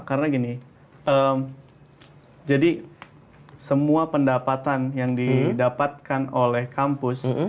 karena gini jadi semua pendapatan yang didapatkan oleh kampus